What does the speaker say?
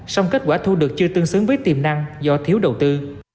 song kết quả thu được chưa tương xứng với tiềm năng do thiếu đầu tư